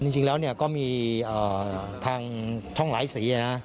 จริงแล้วก็มีทางท่องหลายสีนะ